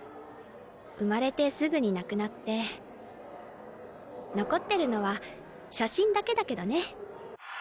生まれてすぐに亡くなって残ってるのは写真だけだけどね。